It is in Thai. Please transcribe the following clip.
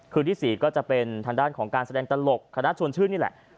ที่๔ก็จะเป็นทางด้านของการแสดงตลกคณะชวนชื่นนี่แหละ